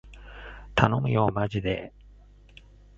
たのむよーまじでー